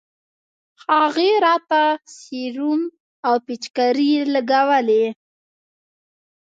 هغې راته سيروم او پيچکارۍ لګولې.